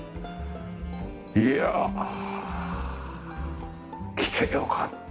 いやあ来てよかったなあ。